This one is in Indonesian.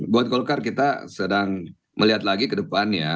buat golkar kita sedang melihat lagi ke depannya